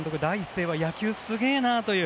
声は野球、すげえなという。